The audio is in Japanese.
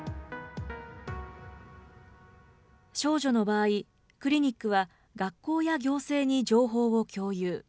少女の場合、クリニックは学校や行政に情報を共有。